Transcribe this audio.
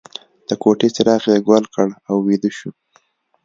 د کوټې څراغ یې ګل کړ او ویده شو